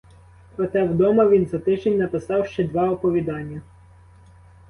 Проте вдома він за тиждень написав ще два оповідання.